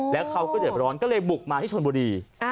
แล้วเขาก็เดือดร้อนก็เลยบุกมาที่ชนบุรี